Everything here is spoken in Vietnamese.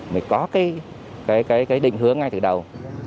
mình có cái định hướng ngay từ đầu